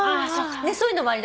そういうのもあり。